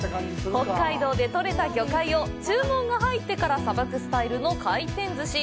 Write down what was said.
北海道で取れた魚介を注文が入ってからさばくスタイルの回転寿司。